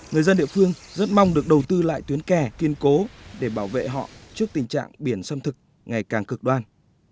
người dân địa phương rất mong được đầu tư lại tuyến kè kiên cố để bảo vệ họ trước tình trạng biển xâm thực ngày càng cực đoan